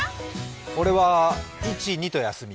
俺は１、２と休み。